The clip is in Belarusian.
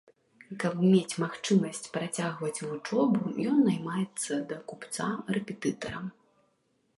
Каб мець магчымасць працягваць вучобу, ён наймаецца да купца рэпетытарам.